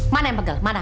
mana yang pegel